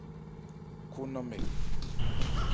Kho nnanmɛ.